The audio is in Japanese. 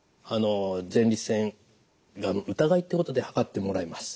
前立腺がん疑いってことで測ってもらえます。